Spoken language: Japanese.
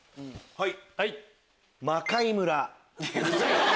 はい！